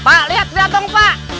pak lihat dia dateng pak